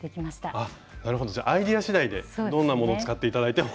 あっなるほどじゃあアイデア次第でどんなもの使って頂いても。